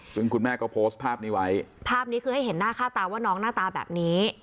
ซึ่งคุณแม่ก็โพสต์ภาพนี้ไว้ภาพนี้คือให้เห็นหน้าค่าตาว่าน้องหน้าตาแบบนี้